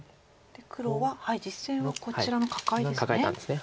黒は実戦はこちらのカカエですね。